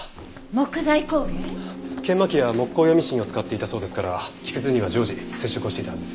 研磨機や木工用ミシンを使っていたそうですから木くずには常時接触をしていたはずです。